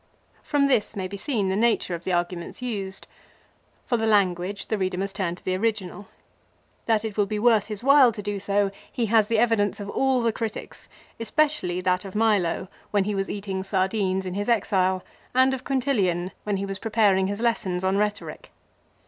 1 From this may be seen 1 the nature of the arguments used. For the language the reader must turn to the original. That it will be worth his while to do so he has the evidence of all critics, especially that of Milo when he was eating sardines in his exile and of Quintilian when he was preparing his lessons on rhetoric.